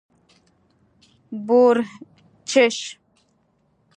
🐊 بورچېش